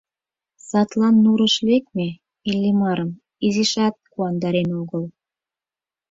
Садлан нурыш лекме Иллимарым изишат куандарен огыл.